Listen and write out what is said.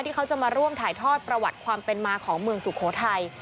เขาจะมาร่วมถ่ายทอดประวัติความเป็นมาของเมืองสุโขทัย